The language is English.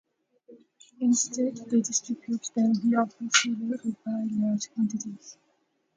Instead, they distribute them via wholesalers who buy large quantities,